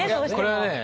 これはね